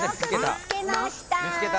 よく見つけました！